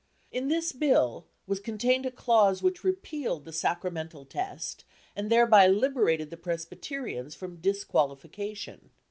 In this Bill was contained a clause which repealed the Sacramental Test, and thereby liberated the Presbyterians from disqualification.